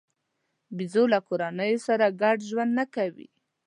بیزو له کورنیو سره ګډ ژوند نه کوي.